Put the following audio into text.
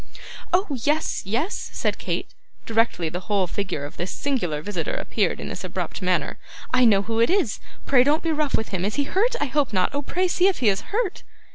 'Oh! yes, yes,' said Kate, directly the whole figure of this singular visitor appeared in this abrupt manner. 'I know who it is. Pray don't be rough with him. Is he hurt? I hope not. Oh, pray see if he is hurt.